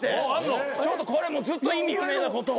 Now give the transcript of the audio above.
ちょっとこれずっと意味不明なことを。